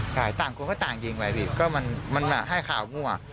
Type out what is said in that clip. ใช่ต่างคนก็ต่างยิงไปพี่ก็มันให้ข่าวมั่ว